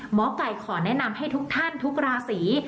หมอไก่ขอแนะนำให้ทุกท่านทุกราศี